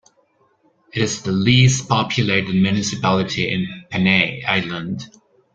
It is the least populated municipality in Panay Island.